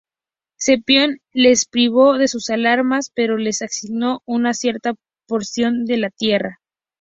Cepión les privó de sus armas, pero les asignó una cierta porción de tierra.